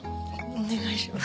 お願いします。